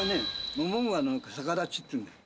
「モモンガの逆立ち」っていうんだよ。